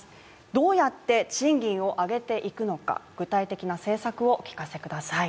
どうやって賃金を上げていくのか、具体的な政策をお聞かせください。